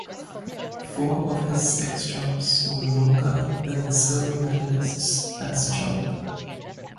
Four of his six jumps were longer than the silver medalist's best jump.